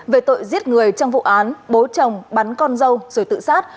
về tội giết người trong vụ án bố chồng bắn con dâu rồi tự sát